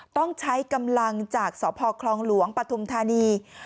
ต้องใช้กำลังจากสพคลองหลวงปฐุมธานี